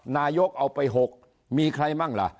นายกเอาไป๖มีใครบ้างล่ะ